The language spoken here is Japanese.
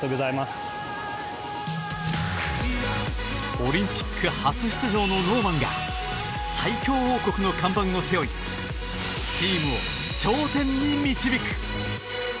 オリンピック初出場のノーマンが最強王国の看板を背負いチームを頂点に導く！